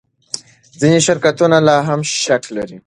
ځینې شرکتونه لا هم شک لري.